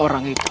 orang itu akan